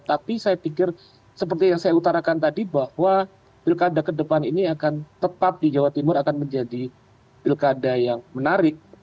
tapi saya pikir seperti yang saya utarakan tadi bahwa pilkada ke depan ini akan tepat di jawa timur akan menjadi pilkada yang menarik